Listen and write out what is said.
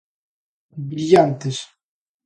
Brillantes.